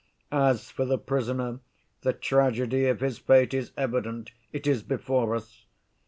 As for the prisoner, the tragedy of his fate is evident; it is before us.